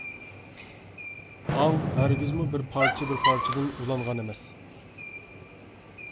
ئاڭ ھەرگىزمۇ بىر پارچە بىر پارچىدىن ئۇلانغان ئەمەس.